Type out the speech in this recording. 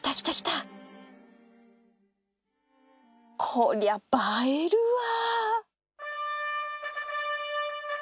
こりゃ映えるわ